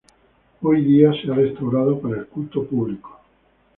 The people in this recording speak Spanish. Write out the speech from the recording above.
Hoy día se ha restaurado para el culto público.